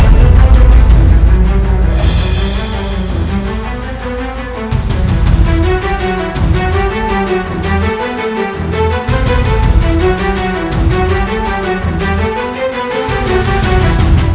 dari guru raja